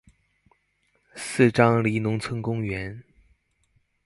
四張犁農村公園